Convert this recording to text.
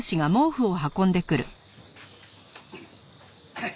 はい。